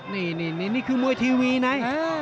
นี่คือมวยทีวีนะ